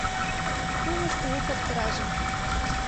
Кумыж кугу коптыражым